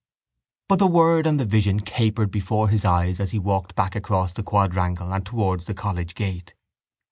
But the word and the vision capered before his eyes as he walked back across the quadrangle and towards the college gate.